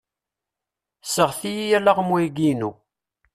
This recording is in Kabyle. Sseɣti-yi alaɣmu-agi-inu.